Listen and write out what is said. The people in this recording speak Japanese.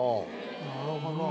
なるほど。